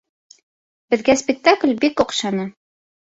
Беҙгә спектакль бик оҡшаны.